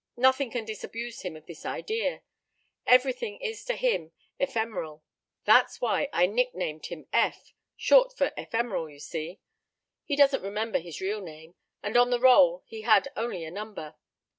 Nothing can disabuse him of this idea. Everything is to him ephemeral. That's why I nicknamed him Eph short for Ephemeral, you see. He doesn't remember his real name, and on the roll he had only a number.